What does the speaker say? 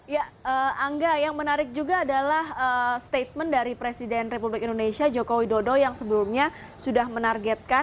ya angga yang menarik juga adalah statement dari presiden republik indonesia joko widodo yang sebelumnya sudah menargetkan